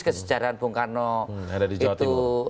kesejarahan bung karno itu